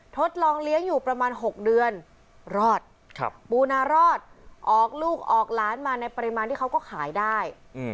ทดลองเลี้ยงอยู่ประมาณ๖เดือนรอดปูนารอดออกลูกออกหลานมาในปริมาณที่เขาก็ขายได้